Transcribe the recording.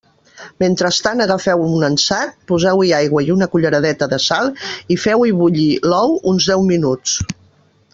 Mentrestant agafeu un ansat, poseu-hi aigua i una culleradeta de sal, i feu-hi bullir l'ou uns deu minuts.